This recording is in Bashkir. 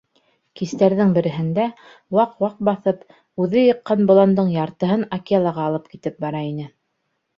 Кистәрҙең береһендә, ваҡ-ваҡ баҫып, үҙе йыҡҡан боландың яртыһын Акелаға алып китеп бара ине.